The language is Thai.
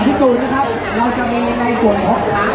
ขอบคุณมากนะคะแล้วก็แถวนี้ยังมีชาติของ